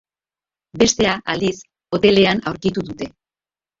Bestea, aldiz, hotelean aurkitu dute.